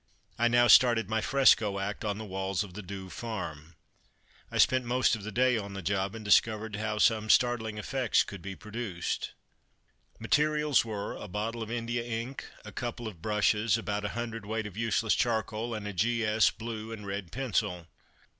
I now started my fresco act on the walls of the Douve farm. I spent most of the day on the job, and discovered how some startling effects could be produced. Materials were: A bottle of Indian ink, a couple of brushes, about a hundredweight of useless charcoal, and a G.S. blue and red pencil.